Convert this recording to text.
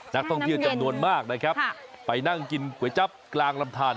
นักท่องเที่ยวจำนวนมากนะครับไปนั่งกินก๋วยจับกลางลำทาน